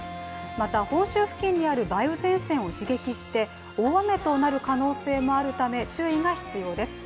また、本州付近にある梅雨前線を刺激して大雨となる可能性もあるため注意が必要です。